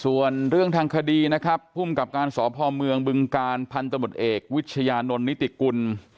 ส่วนเรื่องทางคดีนะครับภูมิกับการสพเมืองบึงการพันธมตเอกวิชญานนท์นิติกุล